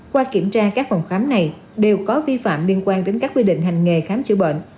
qua kiểm tra các phòng khám này đều có vi phạm liên quan đến các quy định hành nghề khám chữa bệnh